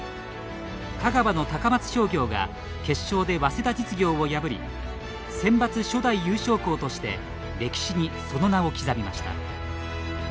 香川の高松商業が決勝で早稲田実業を破りセンバツ初代優勝校として歴史に、その名を刻みました。